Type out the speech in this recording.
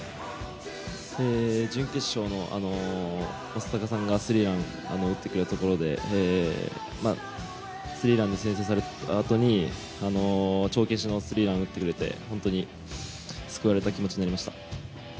準決勝で正尚さんがスリーラン打ってくれたところでスリーランで先制されたあとに帳消しのスリーランを打ってくれて本当に救われた気持ちになりました。